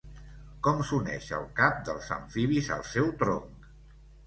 Com s'uneix el cap dels amfibis al seu tronc?